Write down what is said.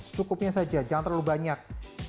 secukupnya saja jangan terlalu banyak